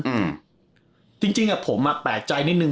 อืมจริงจริงอ่ะผมอ่ะแปลกใจนิดนึ